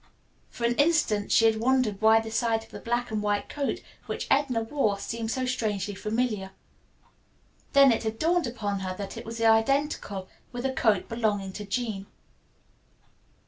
For an instant she had wondered why the sight of the black and white coat which Edna wore seemed so strangely familiar. Then it had dawned upon her that it was identical with a coat belonging to Jean.